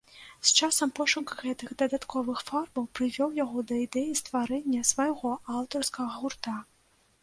З часам пошук гэтых дадатковых фарбаў прывёў яго да ідэі стварэння свайго аўтарскага гурта.